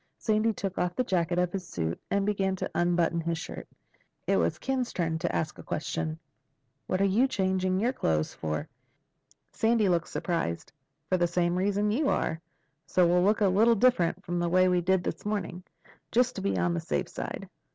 Sandy took off the jacket of his suit and began to unbutton his shirt. It was Ken's turn to ask a question. "What're you changing your clothes for?" Sandy looked surprised. "For the same reason you are. So we'll look a little different from the way we did this morning—just to be on the safe side."